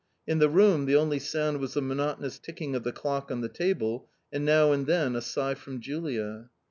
In the room the only sound was the monotonous tick ing of the clock on the table and now and then a sigh from Julia.